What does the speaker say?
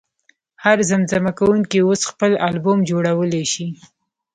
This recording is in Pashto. هر زمزمه کوونکی اوس خپل البوم جوړولی شي.